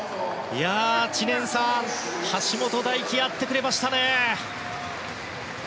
知念さん、橋本大輝やってくれましたね！